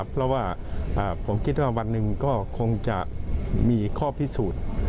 เพราะว่าผมคิดว่าวันหนึ่งก็คงจะมีข้อพิสูจน์